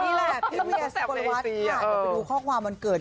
นี่แหละพี่เวียสกลวัตรอยากไปดูข้อความวันเกิด